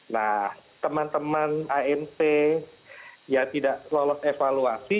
nah teman teman amt ya tidak lolos evaluasi